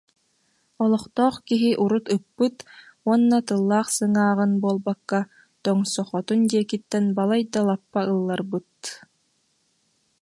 Олохтоох киһи урут ыппыт уонна тыллаах сыҥааҕын буолбакка, тоҥсохотун диэкиттэн балайда лаппа ылларбыт